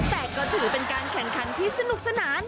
แต่ก็ถือเป็นการแข่งขันที่สนุกสนาน